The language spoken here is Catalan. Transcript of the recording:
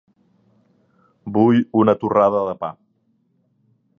Vull una torrada de pa.